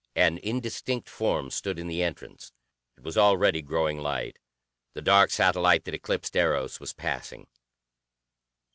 An indistinct form stood in the entrance. It was already growing light; the dark satellite that eclipsed Eros was passing.